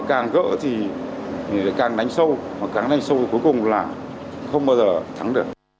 càng muốn gỡ và càng gỡ thì càng đánh sâu và càng đánh sâu cuối cùng là không bao giờ thắng được